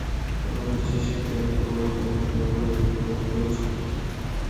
তোমার বিশেষায়িত একটা ক্ষমতা দিয়ে তোমাকেই নিয়ন্ত্রণ করছি।